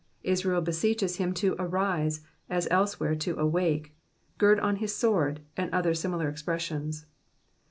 Israel beseeches him to arise," as elsewhere to awake,'' " g^rd on his sword," and other similar expressions.